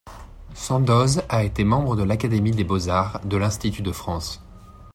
Sandoz a été membre de l'Académie des beaux-arts de l'Institut de France.